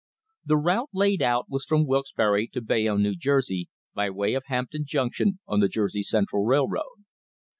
The route laid out was from Wilkes barre to Bayonne, New Jersey, by way of Hampton Junc tion, on the Jersey Central Railroad.